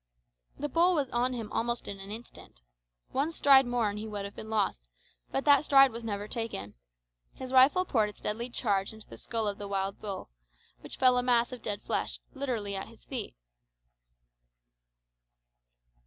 The bull was on him almost in an instant. One stride more and he would have been lost, but that stride was never taken. His rifle poured its deadly charge into the skull of the wild bull, which fell a mass of dead flesh, literally at his feet.